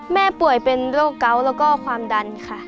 ป่วยเป็นโรคเกาะแล้วก็ความดันค่ะ